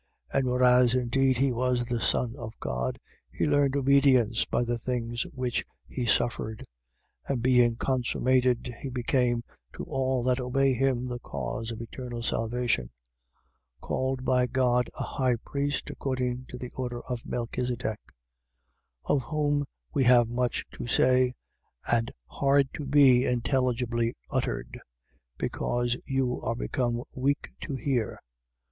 5:8. And whereas indeed he was the Son of God, he learned obedience by the things which he suffered. 5:9. And being consummated, he became, to all that obey him, the cause of eternal salvation: 5:10. Called by God a high priest, according to the order of Melchisedech. 5:11. Of whom we have much to say and hard to be intelligibly uttered: because you are become weak to hear.